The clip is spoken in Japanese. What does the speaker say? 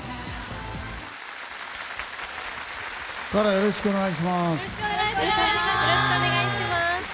よろしくお願いします。